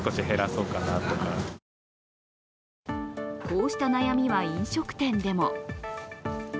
こうした悩みは飲食店でも。